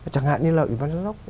chẳng hạn như là ủy ban giáo dục